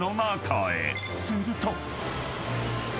［すると］